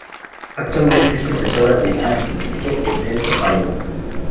Actualmente es profesora de un instituto del centro de Palma.